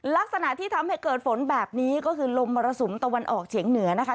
ลักษณะที่ทำให้เกิดฝนแบบนี้ก็คือลมมรสุมตะวันออกเฉียงเหนือนะคะ